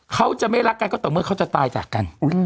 เขาจะไม่รักกันก็ต่อเมื่อเขาจะตายจากกัน